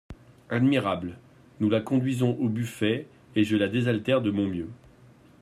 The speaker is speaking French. Admirable ! Nous la conduisons au buffet et je la désaltère de mon mieux.